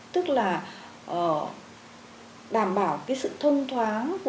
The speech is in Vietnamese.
tức là đảm bảo chất lượng của bệnh tật và chất lượng của bệnh tật